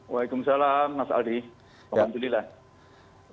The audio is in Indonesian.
waalaikumsalam mas aldi alhamdulillah